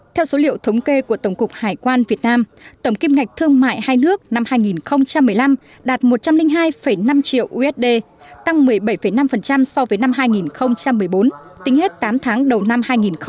theo số liệu thống kê của tổng cục hải quan việt nam tổng kim ngạch thương mại hai nước năm hai nghìn một mươi năm đạt một trăm linh hai năm triệu usd tăng một mươi bảy năm so với năm hai nghìn một mươi bốn tính hết tám tháng đầu năm hai nghìn một mươi tám